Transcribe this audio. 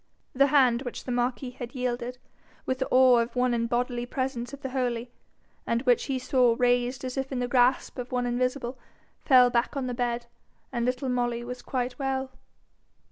The hand which the marquis had yielded, with the awe of one in bodily presence of the Holy, and which he saw raised as if in the grasp of one invisible, fell back on the bed, and little Molly was quite well.